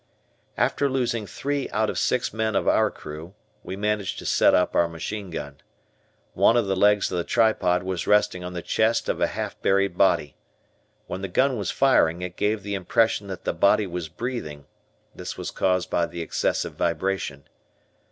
After losing three out of six men of our crew, we managed to set up our machine gun. One of the legs of the tripod was resting on the chest of a half buried body. When the gun was firing, it gave the impression that the body was breathing, this was caused by the excessive vibration.